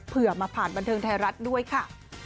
เพื่อมาผ่านบันเทิงไทยรัฐด้วยค่ะ